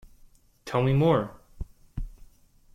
Tell me more.